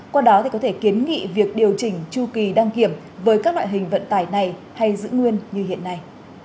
qua đó thì có thể kiến nghị việc điều chỉnh chu kỳ đăng kiểm với các loại hình vận tải này hay giữ nguyên như hiện nay